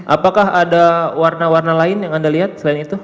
apakah ada warna warna lain yang anda lihat selain itu